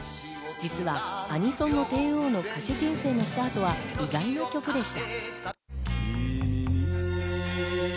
実はアニソンの帝王の歌手人生のスタートは意外な曲でした。